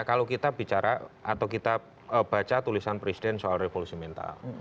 kalau kita bicara atau kita baca tulisan presiden soal revolusi mental